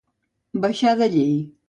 Baixar de llei.